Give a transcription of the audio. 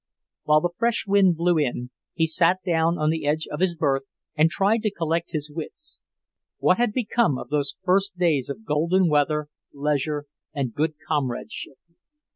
While the fresh wind blew in, he sat down on the edge of his berth and tried to collect his wits. What had become of those first days of golden weather, leisure and good comradeship?